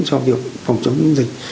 cho việc phòng chống dịch